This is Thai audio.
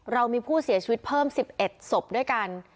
เรามีผู้เสียชีวิตเพิ่ม๑๑ศพด้วยกัน